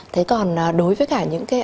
thế còn đối với cả những cái